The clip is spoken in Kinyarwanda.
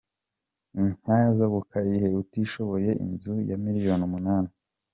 Inyanza bubakiye utishoboye inzu ya miliyoni umunani